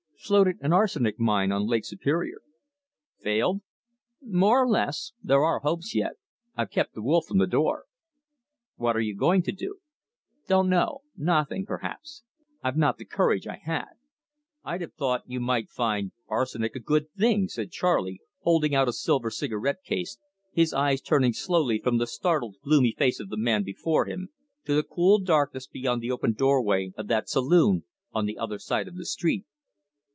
"Floated an arsenic mine on Lake Superior." "Failed?" "More or less. There are hopes yet. I've kept the wolf from the door." "What are you going to do?" "Don't know nothing, perhaps; I've not the courage I had." "I'd have thought you might find arsenic a good thing," said Charley, holding out a silver cigarette case, his eyes turning slowly from the startled, gloomy face of the man before him, to the cool darkness beyond the open doorway of that saloon on the other side of the street.